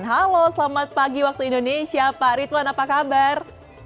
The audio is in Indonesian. halo selamat pagi waktu indonesia pak ritwan apa kabar